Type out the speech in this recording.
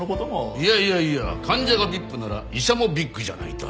いやいやいや患者がＶＩＰなら医者もＢＩＧじゃないと。